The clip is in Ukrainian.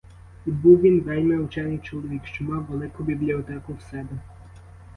І був він вельми учений чоловік, що мав велику бібліотеку в себе.